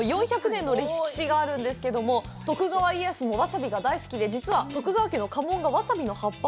４００年の歴史があるんですけども、徳川家康もわさびが大好きで、実は、徳川家の家紋がわさびの葉っぱ。